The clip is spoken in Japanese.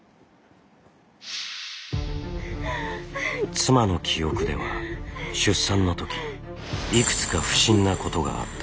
妻の記憶では出産のときいくつか不審なことがあった。